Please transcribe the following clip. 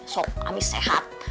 sob kami sehat